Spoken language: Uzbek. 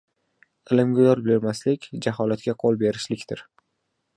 Ilmga yo‘l bermaslik – jaholatga qo‘l berishlikdir.